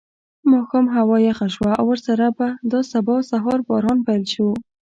ماښام هوا یخه شوه او ورسره په دا سبا سهار باران پیل شو.